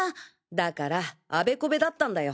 だからあべこべだったんだよ。